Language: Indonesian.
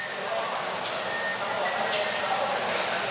masih menunggu pdi perjuangan yang pertama kali menyuarakan atau menangkap